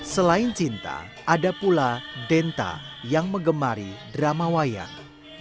selain cinta ada pula denta yang mengemari drama wayang